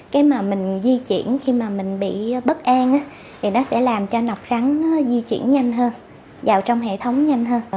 cái mà mình di chuyển khi mà mình bị bất an thì nó sẽ làm cho nọc rắn nó di chuyển nhanh hơn vào trong hệ thống nhanh hơn